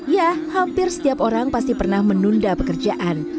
ya hampir setiap orang pasti pernah menunda pekerjaan